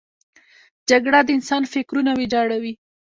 جګړه د انسان فکرونه ویجاړوي